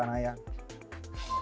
saya tuh di politik tuh kecemplung